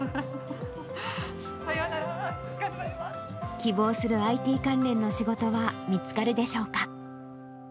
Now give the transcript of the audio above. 希望するＩＴ関連の仕事は見つかるでしょうか。